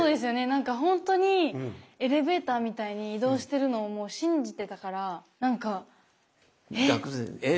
何か本当にエレベーターみたいに移動してるのを信じてたから何か「え？」